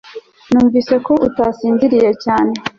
numvise ko utasinziriye cyane